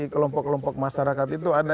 kelompok kelompok masyarakat itu ada